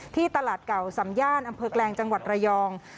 ตลาดเก่าสำย่านอำเภอแกลงจังหวัดระยอง